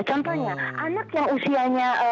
contohnya anak yang usianya